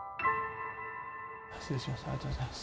失礼します